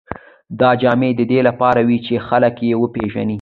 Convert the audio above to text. دا جامې د دې لپاره وې چې خلک یې وپېژني.